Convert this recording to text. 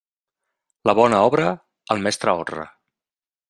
La bona obra, al mestre honra.